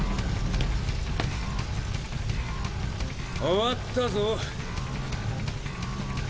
終わったぞ。